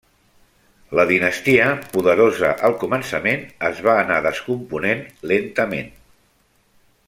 La dinastia, poderosa al començament, es va anar descomponent lentament.